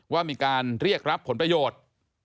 ว่ามีการเรียกรับผลประโยชน์